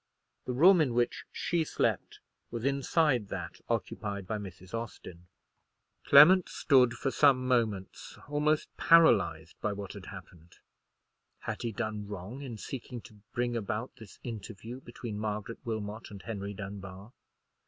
The room in which she slept was inside that occupied by Mrs. Austin. Clement stood for some moments almost paralyzed by what had happened. Had he done wrong in seeking to bring about this interview between Margaret Wilmot and Henry Dunbar?